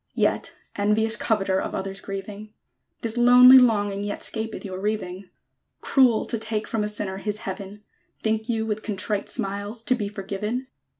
_ Yet, envious coveter Of other's grieving! This lonely longing yet 'Scapeth your reaving. Cruel to take from a Sinner his Heaven! Think you with contrite smiles To be forgiven?